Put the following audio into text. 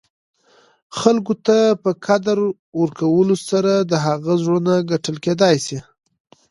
خلګو ته په قدر ورکولو سره، د هغه زړونه ګټل کېداى سي.